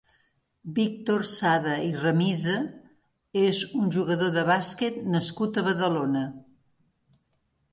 Víctor Sada i Remisa és un jugador de bàsquet nascut a Badalona.